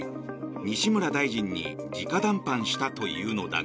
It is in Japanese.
西村大臣に直談判したというのだが。